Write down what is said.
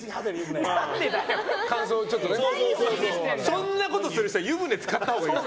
そんなことする人湯船使ったほうがいい。